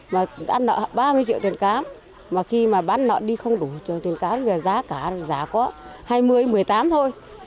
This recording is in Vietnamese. mà ăn nợ ba mươi triệu tiền cám mà khi bán nợ đi không đủ tiền cám giá có hai mươi một mươi tám thôi